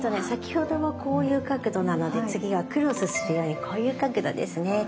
先ほどはこういう角度なので次はクロスするようにこういう角度ですね。